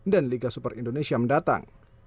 dan liga super indonesia mendatang